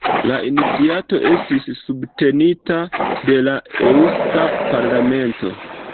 La iniciato estis subtenita de la Eŭska Parlamento.